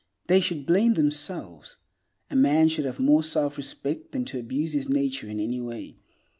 They should blame themselves. A man should have more self respect than to abuse his nature in any way.